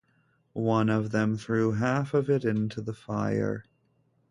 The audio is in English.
One of them threw half of it into the fire.